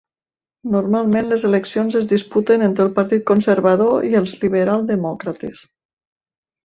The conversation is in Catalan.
Normalment les eleccions es disputen entre el Partit Conservador i els Liberal Demòcrates.